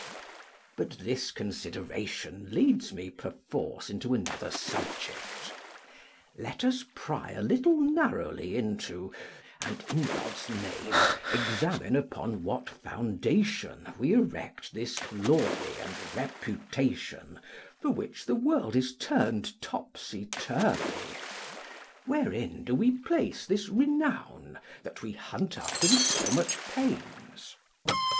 But this consideration leads me, perforce, into another subject. Let us pry a little narrowly into, and, in God's name, examine upon what foundation we erect this glory and reputation for which the world is turned topsy turvy: wherein do we place this renown that we hunt after with so much pains?